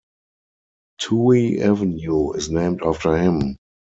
Touhy Avenue is named after him.